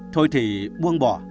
thôi thì buông bỏ